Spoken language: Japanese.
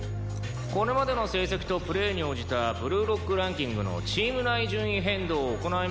これまでの成績とプレーに応じたブルーロックランキングのチーム内順位変動を行いまーす。